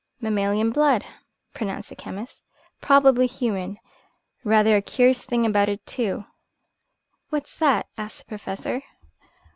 "Mammalian blood," pronounced the chemist, "probably human rather a curious thing about it, too." "What's that?" asked the Professor.